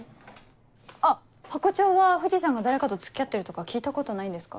あっハコ長は藤さんが誰かと付き合ってるとか聞いたことないんですか？